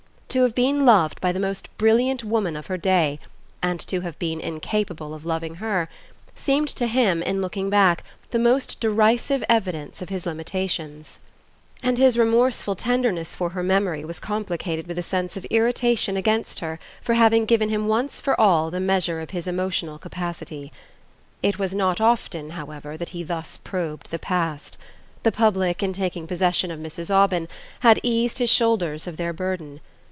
To have been loved by the most brilliant woman of her day, and to have been incapable of loving her, seemed to him, in looking back, the most derisive evidence of his limitations; and his remorseful tenderness for her memory was complicated with a sense of irritation against her for having given him once for all the measure of his emotional capacity. It was not often, however, that he thus probed the past. The public, in taking possession of Mrs. Aubyn, had eased his shoulders of their burden.